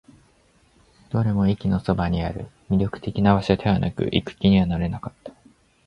どれも駅のそばにある。魅力的な場所ではなく、行く気にはなれなかった。